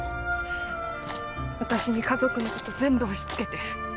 私に家族のこと全部押しつけて